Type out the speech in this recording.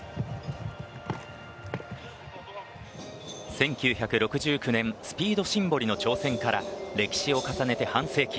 １９６９年スピードシンボリの挑戦から歴史を重ねて半世紀。